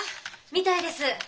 みたいです。